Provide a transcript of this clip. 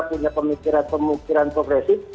punya pemikiran pemikiran progresif